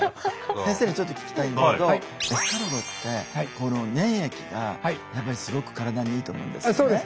先生にちょっと聞きたいんだけどエスカルゴってこの粘液がやっぱりすごく体にいいと思うんですよね。